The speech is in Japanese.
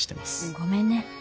ごめんね。